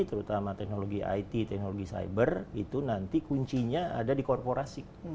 terutama teknologi it teknologi cyber itu nanti kuncinya ada di korporasi